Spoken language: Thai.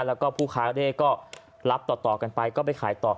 แล้วก็ผู้ค้าเร่ก็รับต่อกันไปก็ไปขายต่อ